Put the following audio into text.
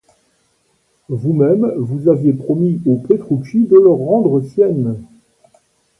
Vous-même, vous aviez promis aux Petrucci de leur rendre Sienne.